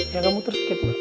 ya kamu terus kat